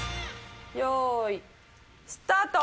よーい、スタート。